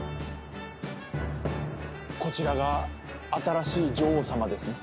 こちらが新しい女王様ですね？